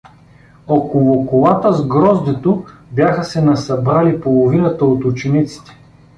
Около колата с гроздето бяха се насъбрали половината от учениците.